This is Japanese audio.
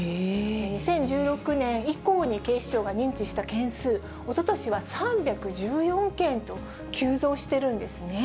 ２０１６年以降に警視庁が認知した件数、おととしは３１４件と急増しているんですね。